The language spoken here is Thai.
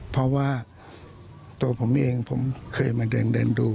เพราะว่าตัวผมเองผมเคยมาเดินดู